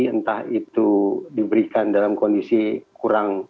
entah itu diberikan dalam kondisi kurang